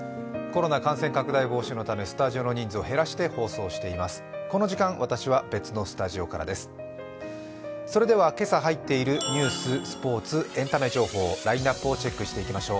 コロナ感染拡大防止のため、スタジオの人数を減らしてお送りしています。